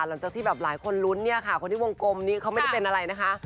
หลังจากที่แบบหลายคนลุ้นเนี่ยค่ะคนที่วงกลมนี้เขาไม่ได้เป็นอะไรนะคะ